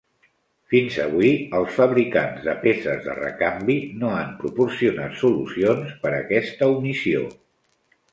Fins avui, els fabricants de peces de recanvi no han proporcionat solucions per aquesta omissió.